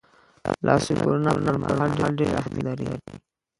لاسونه د کرونا پرمهال ډېر اهمیت لري